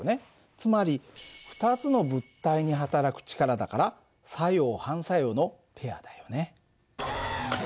つまり２つの物体にはたらく力だから作用・反作用のペアだよね。